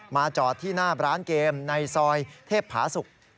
จอดที่หน้าร้านเกมในซอยเทพผาศุกร์